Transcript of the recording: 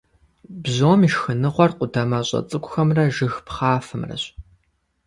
Бжьом и шхыныгъуэр къудамэщӏэ цӏыкӏухэмрэ жыг пхъафэмрэщ.